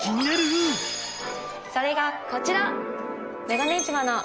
それがこちら！